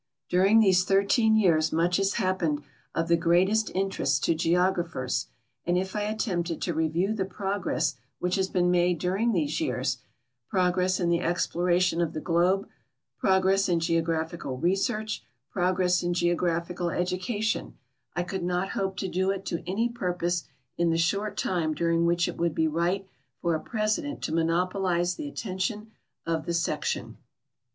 Dur ing these thirteen years much has hapi)ened of the greatest inter est to geographers, and if I attempted to review the progress which has been made during these years — progress in the exploration of the globe, i)rogress in geographical research, progress in geo graphical education — I could not hope to do it to any purpose in the short time during which it would be right for a president to niono[)olize the attention of the Section.